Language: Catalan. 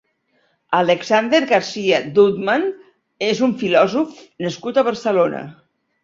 Alexander García Düttmann és un filòsof nascut a Barcelona.